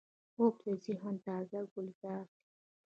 خوب د ذهن تازه ګلزار دی